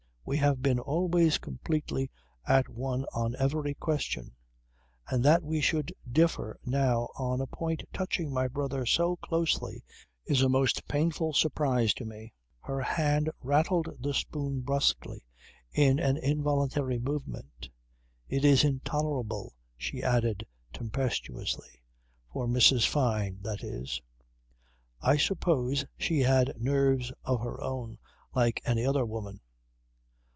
We have been always completely at one on every question. And that we should differ now on a point touching my brother so closely is a most painful surprise to me." Her hand rattled the teaspoon brusquely by an involuntary movement. "It is intolerable," she added tempestuously for Mrs. Fyne that is. I suppose she had nerves of her own like any other woman.